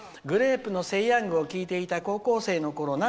「グレープの「セイ！ヤング」を聴いていた高校生のころ